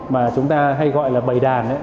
mà chúng ta hay gọi là bầy đàn